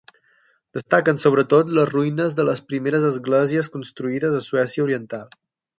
Destaquen sobretot les ruïnes de les primeres esglésies construïdes a Suècia oriental.